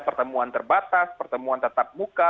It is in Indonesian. pertemuan terbatas pertemuan tatap muka